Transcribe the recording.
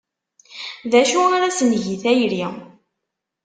D acu ara s-neg i tayri?